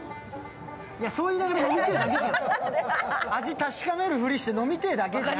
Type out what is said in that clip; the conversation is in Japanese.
確かめるふりして、飲みてぇだけじゃん。